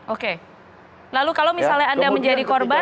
oke lalu kalau misalnya anda menjadi korban